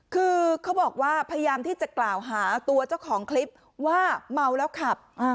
คือเขาบอกว่าพยายามที่จะกล่าวหาตัวเจ้าของคลิปว่าเมาแล้วขับ